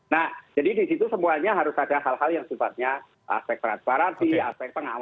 nah jadi di situ semuanya harus ada hal hal yang sifatnya aspek transparansi aspek pengawasan